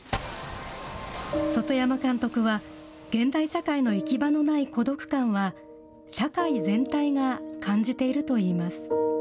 外山監督は、現代社会の行き場のない孤独感は、社会全体が感じているといいます。